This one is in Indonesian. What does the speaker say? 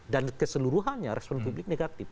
keseluruhannya respon publik negatif